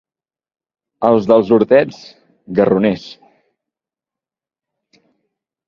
Els dels Hortets, garroners.